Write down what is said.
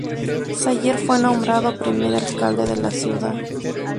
Sawyer fue nombrado primer alcalde de la ciudad.